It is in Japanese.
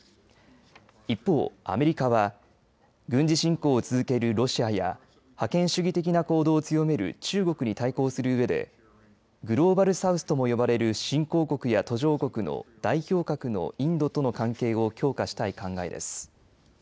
一方、アメリカは軍事侵攻を続けるロシアや覇権主義的な行動を強める中国に対抗するうえでグローバル・サウスとも呼ばれる新興国や途上国の代表格のインドとの関係を強化したい考えです。